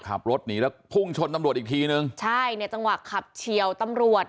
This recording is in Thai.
ขับรถหนีแล้วพุ่งชนตำรวจอีกทีนึงใช่ในจังหวะขับเฉียวตำรวจ